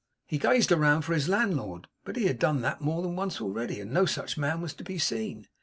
He gazed round for his landlord. But he had done that more than once already, and no such man was to be seen.